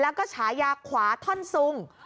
แล้วก็ฉายาขวาท่อนซุง